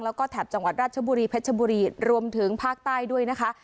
แล้วก็แถบจังหวัดราชบุรีเพชรบุรีรวมถึงภาคใต้ด้วยนะคะ